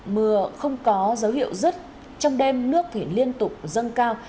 mưa không có dấu hiệu rứt trong đêm nước thì liên tục dâng cao